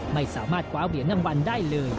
ไม่สามารถคว้าเหรียญรางวัลได้เลย